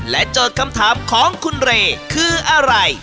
โจทย์คำถามของคุณเรคืออะไร